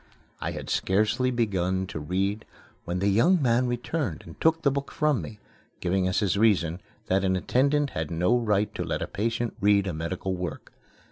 I had scarcely begun to read when the young man returned and took the book from me, giving as his reason that an attendant had no right to let a patient read a medical work.